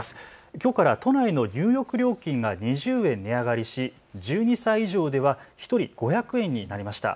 きょうから都内の入浴料金が２０円値上がりし１２歳以上では１人５００円になりました。